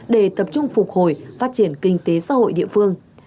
để tập trung phục hồi phát triển kinh tế xã hội địa phương